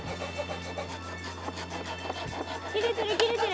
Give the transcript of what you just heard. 切れてる切れてる。